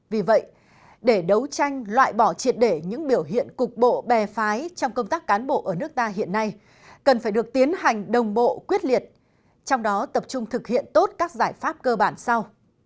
vì vậy để đấu tranh loại bỏ triệt để những biểu hiện cục bộ bè phái trong công tác cán bộ ở nước ta hiện nay cần phải được tiến hành đồng bộ quyết liệt trong đó tập trung thực hiện tốt các giải pháp cơ bản sau